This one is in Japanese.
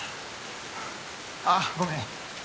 あっごめん。